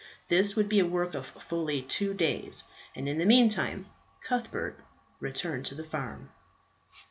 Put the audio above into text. This would be a work of fully two days; and in the meantime Cuthbert returned to the farm.